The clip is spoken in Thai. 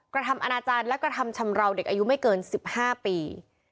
กระทำอนาจารย์และกระทำชำราวเด็กอายุไม่เกิน๑๕ปี